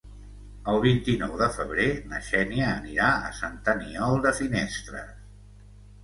El vint-i-nou de febrer na Xènia anirà a Sant Aniol de Finestres.